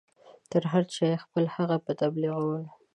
تر هر چا یې پخپله هغه په تبلیغولو.